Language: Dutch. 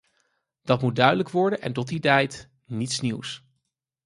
Dat moet duidelijk worden en tot die tijd: niets nieuws.